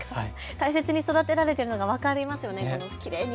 大切に育てられているのが分かりますよね。